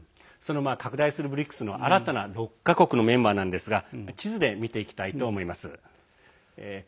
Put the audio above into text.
拡大するＢＲＩＣＳの新たな６か国のメンバーを地図で見ていきたいと思います。